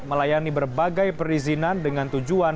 melayani berbagai perizinan dengan tujuan